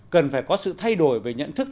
cần phải có sự thay đổi về nhận thức